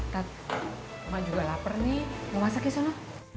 tat bu juga lapar nih mau masaknya sonu